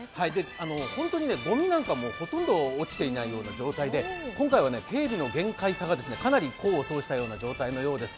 本当に、ごみなんかもほとんど落ちていないような状態で、今回は警備の厳戒さがかなりの功を奏したようです。